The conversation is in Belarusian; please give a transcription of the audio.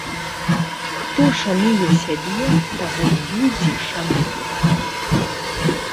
Хто шануе сябе, таго і людзі шануюць